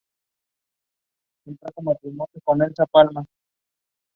Vaughan Williams dedicó a Butterworth su segunda sinfonía.